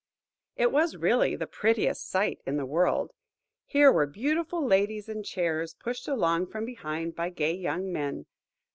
It was really the prettiest sight in the world! Here, were beautiful ladies in chairs, pushed along from behind by gay young men.